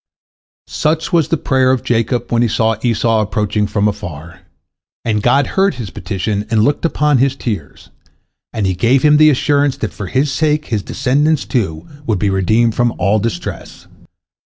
Such was the prayer of Jacob when he saw Esau approaching from afar, and God heard his petition and looked upon his tears, and He gave him the assurance that for his sake his descendants, too, would be redeemed from all distress.